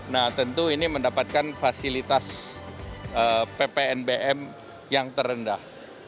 nah tentu ini mendapatkan fasilitas ppnbm yang terendah